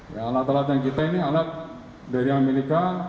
ya alat alat yang kita ini alat dari amerika